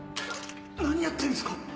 何やってんですか！